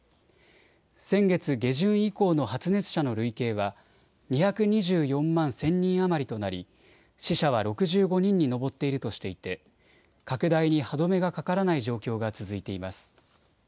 先月下旬以降の発熱者の累計は２２４万１０００人余りとなり死者は６５人に上っているとしていて拡大に歯止めがかからない状況が続いています。